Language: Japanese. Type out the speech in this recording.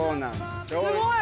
すごい。